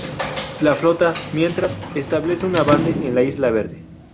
La flota, mientras, establece una base en la Isla Verde.